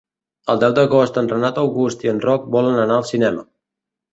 El deu d'agost en Renat August i en Roc volen anar al cinema.